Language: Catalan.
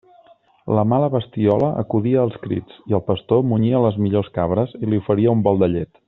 La mala bestiola acudia als crits, i el pastor munyia les millors cabres i li oferia un bol de llet.